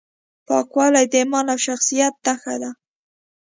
پاکوالی د ایمان او شخصیت نښه ده.